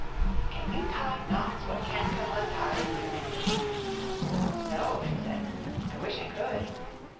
] "Can you tie knots what can't come untied?" he demanded. "No," she said, "I wish I could."